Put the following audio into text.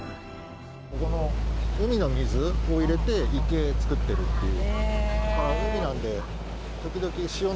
ここの海の水を入れて池を作っているという。